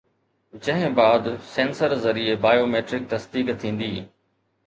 جنهن بعد سينسر ذريعي بايو ميٽرڪ تصديق ٿيندي